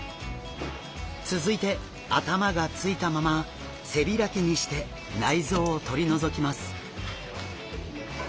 続いて頭がついたまま背開きにして内臓を取り除きます。